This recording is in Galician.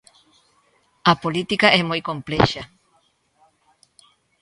A política é moi complexa